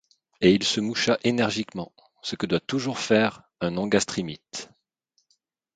Et il se moucha énergiquement, ce que doit toujours faire un engastrimythe.